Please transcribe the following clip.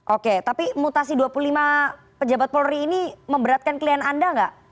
oke tapi mutasi dua puluh lima pejabat polri ini memberatkan klien anda nggak